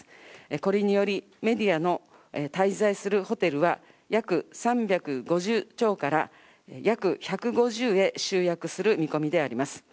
これによりメディアの滞在するホテルは約３５０強から約１５０へ集約する見込みであります。